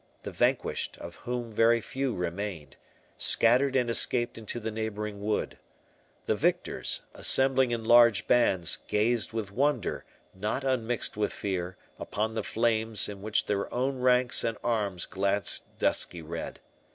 The vanquished, of whom very few remained, scattered and escaped into the neighbouring wood. The victors, assembling in large bands, gazed with wonder, not unmixed with fear, upon the flames, in which their own ranks and arms glanced dusky red.